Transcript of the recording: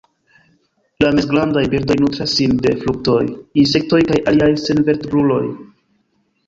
La mezgrandaj birdoj nutras sin de fruktoj, insektoj kaj aliaj senvertebruloj.